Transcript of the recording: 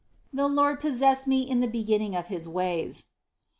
55. "The Lord possessed me in the beginning of his ways."